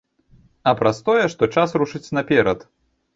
А праз тое, што час рушыць наперад.